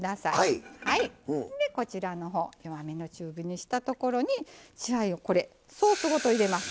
でこちらのほう弱めの中火にしたところに血合いをこれソースごと入れます。